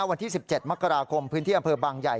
วันที่๑๗มกราคมพื้นที่อำเภอบางใหญ่